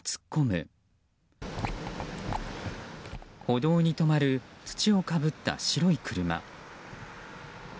歩道に止まる土をかぶった白い車。